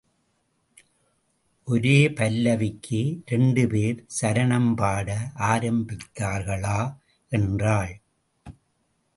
ஒரே பல்லவிக்கு இரண்டு பேர் சரணம் பாட ஆரம்பித்தார்களா என்றாள்.